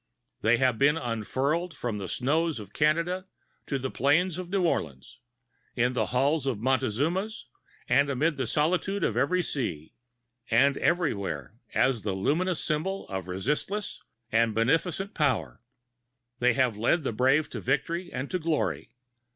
They have been unfurled from the snows of Canada to the plains of New Orleans, in the halls of the Montezumas and amid the solitude of every sea; and everywhere, as the luminous symbol of resistless and beneficent power, they have led the brave to victory and to glory.